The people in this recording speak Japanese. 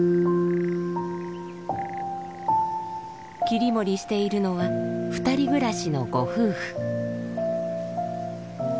切り盛りしているのは２人暮らしのご夫婦。